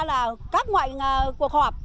là các ngoại cuộc họp